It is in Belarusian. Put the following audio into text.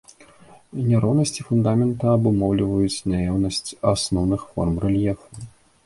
Няроўнасці фундамента абумоўліваюць наяўнасць асноўных форм рэльефу.